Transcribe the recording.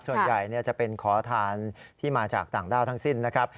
ส่วนใหญ่จะเป็นขอทานที่มาจากต่างด้าวทั้งสิ้นนะครับ